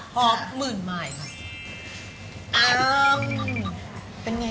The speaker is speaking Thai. หอมมื้นไม้ค่ะ